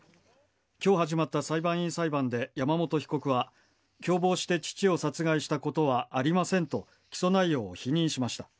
今日始まった裁判員裁判で山本被告は共謀して父を殺害したことはありませんと起訴内容を否認しました。